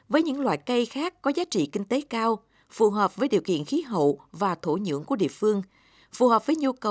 với những loại cây khác có giá trị kinh tế cao phù hợp với điều kiện khí hậu và thổ nhiệm